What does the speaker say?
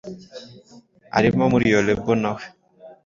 arimo muri iyo label nawe